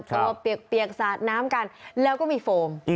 ตัวเปียกสาดน้ำกันแล้วก็มีโฟม